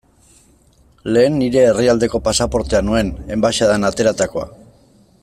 Lehen nire herrialdeko pasaportea nuen, enbaxadan ateratakoa.